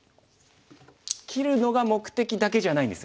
切るのが目的だけじゃないんです。